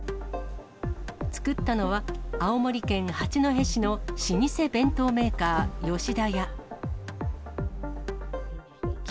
作ったのは、青森県八戸市の老舗弁当メーカー、吉田屋。